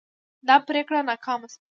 دا پریکړه ناکامه شوه.